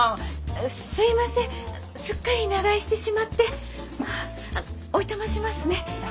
すいませんすっかり長居してしまっておいとましますね。